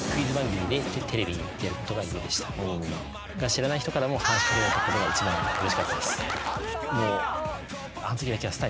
知らない人からも話し掛けられたことが一番うれしかったです。